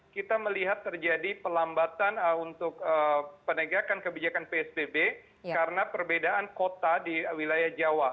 kita melihat terjadi pelambatan untuk penegakan kebijakan psbb karena perbedaan kota di wilayah jawa